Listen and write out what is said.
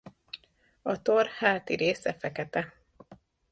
A tor háti része fekete.